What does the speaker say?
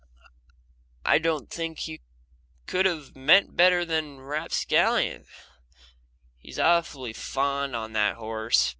I don't think he could have meant better than Rapscallion; he's awfully fond of that horse.